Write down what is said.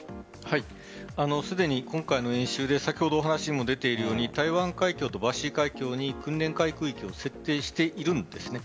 すでに今回の演習で先ほどお話にも出ているように台湾海峡とバシー海峡に訓練海空域を設定しているんです。